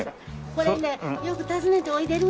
これねよく訪ねておいでるんです。